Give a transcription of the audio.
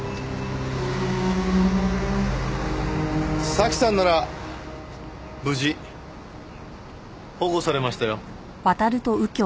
早紀さんなら無事保護されましたよ。